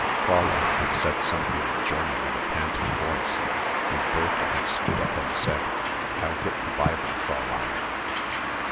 Fräulein had said something in German in a panting voice, and Bertha had stood up and said, "I'll get the Bible, Fräulein."